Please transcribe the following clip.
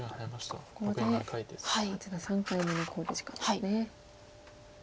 ここで瀬戸八段３回目の考慮時間ですね。